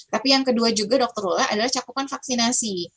tapi yang kedua juga dr lola adalah cakupan vaksinasi